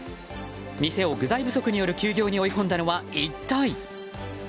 店を具材不足による休業に追い込んだのは一体。